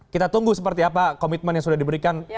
kita tunggu seperti apa komitmen yang sudah diberikan